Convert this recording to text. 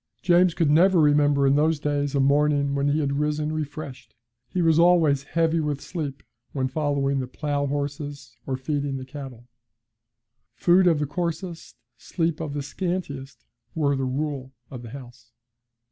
James could never remember in those days a morning when he had risen refreshed; he was always heavy with sleep when following the plough horses, or feeding the cattle. Food of the coarsest, sleep of the scantiest, were the rule of the house.